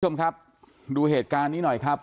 คุณผู้ชมครับดูเหตุการณ์นี้หน่อยครับ